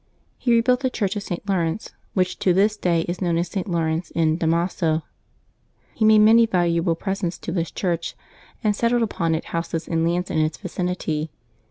He rebuilt the church of St. Laurence, which to this day is known as St. Laurence in Damaso; he made many valuable presents to this church, and settled upon it houses and lands in its vicinity.